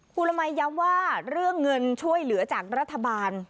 คุณละมัยย้ำว่าเรื่องเงินช่วยเหลือจากรัฐบาล